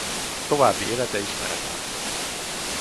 További élete ismeretlen.